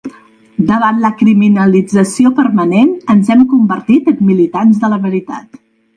Davant la criminalització permanent ens hem convertit en militants de la veritat.